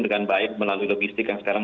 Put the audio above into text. dengan baik melalui logistik yang sekarang